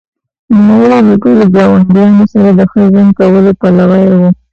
نوموړي له ټولو ګاونډیانو سره د ښه ژوند کولو پلوی و.